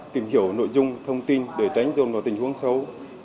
tìm hiểu nội dung thông tin để tránh dồn vào tình huống xấu